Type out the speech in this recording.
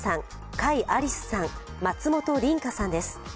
甲斐愛澄さん、松本梨花さんです。